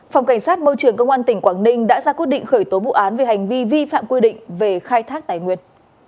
phòng cảnh sát môi trường công an tỉnh quảng ninh đã ra quyết định khởi tố vụ án về hành vi vi phạm quy định về khai thác tài nguyên